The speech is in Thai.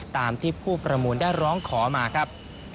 ตามที่ผู้ประมูลได้ร้องขอมาครับ